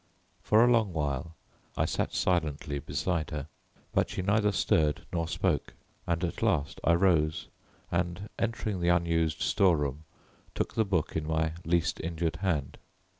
For a long while I sat silently beside her, but she neither stirred nor spoke, and at last I rose, and, entering the unused store room, took the book in my least injured hand.